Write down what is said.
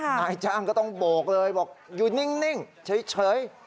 นายจ้างก็ต้องโบกเลยบอกอยู่นิ่งเฉย